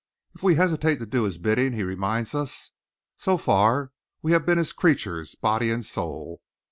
If we hesitate to do his bidding, he reminds us. So far, we have been his creatures, body and soul.